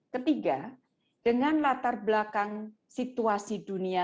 ketiga dengan latar belakang situasi dunia